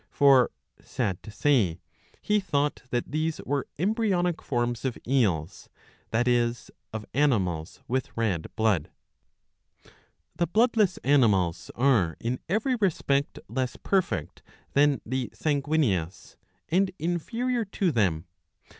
For, sad to say, he thought that these were embryonic forms of eels, that is, of animals with red blood. The Bloodless animals are in every respect less perfect than the Sanguineous, and inferior to them.